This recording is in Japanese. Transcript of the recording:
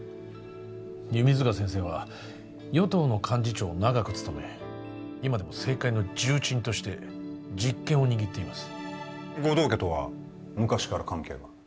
弓塚先生は与党の幹事長を長く務め今でも政界の重鎮として実権を握っています護道家とは昔から関係が？